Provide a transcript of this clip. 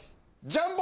ジャンボ。